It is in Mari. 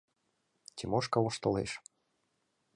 Тимошка воштылеш: